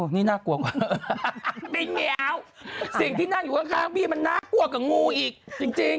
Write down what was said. นี่น่ากลัวกว่าบินไม่เอาสิ่งที่นั่งอยู่ข้างพี่มันน่ากลัวกว่างูอีกจริง